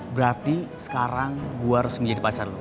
berarti sekarang gue harus menjadi pacar lo